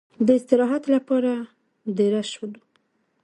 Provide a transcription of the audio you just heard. د استراحت لپاره دېره شولو.